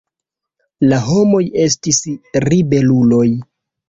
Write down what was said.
La homoj estis ribeluloj.